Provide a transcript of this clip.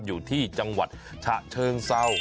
อยู่ที่จังหวัดฉะเชิงเศร้า